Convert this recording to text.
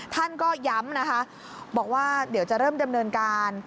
ท่านก็ย้ำนะคะบอกว่าเดี๋ยวจะเริ่มดำเนินการ